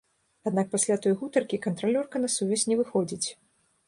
Аднак пасля той гутаркі кантралёрка на сувязь не выходзіць.